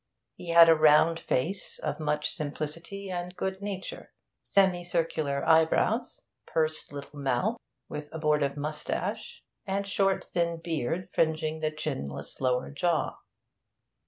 He had a round face of much simplicity and good nature, semicircular eyebrows, pursed little mouth with abortive moustache, and short thin beard fringing the chinless lower jaw.